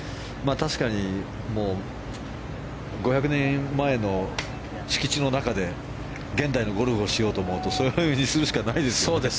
確かに、５００年前の敷地の中で現代のゴルフをしようと思うとそういうふうにするしかないですよね。